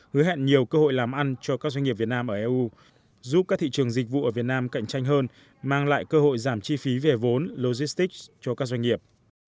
hứa hẹn nhiều cơ hội làm ăn cho các doanh nghiệp việt nam ở eu giúp các thị trường dịch vụ ở việt nam cạnh tranh hơn mang lại cơ hội giảm chi phí về vốn logistics cho các doanh nghiệp